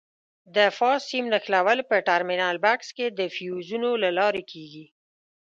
د فاز سیم نښلول په ټرمینل بکس کې د فیوزونو له لارې کېږي.